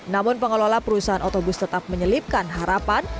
namun pengelola perusahaan otobus tetap menyelipkan harapan